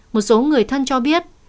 một số người thân cho biết